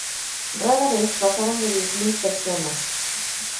Rara vez bajaron de diez mil personas.